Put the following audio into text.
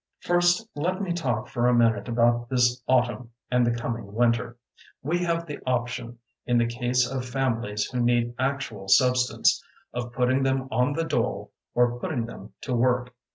First let me talk for a minute about this autumn and the coming winter. We have the option, in the case of families who need actual subsistence, of putting them on the dole or putting them to work.